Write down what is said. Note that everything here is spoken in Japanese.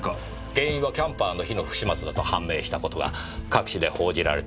原因はキャンパーの火の不始末だと判明した事が各紙で報じられています。